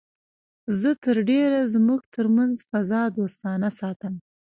زه تر ډېره زموږ تر منځ فضا دوستانه ساتم